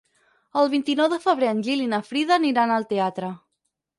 El vint-i-nou de febrer en Gil i na Frida aniran al teatre.